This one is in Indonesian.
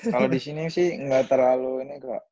kalau di sini sih nggak terlalu ini kok